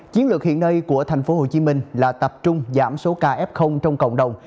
chiến lược hiện nay của thành phố hồ chí minh là tập trung giảm số ca f trong cộng đồng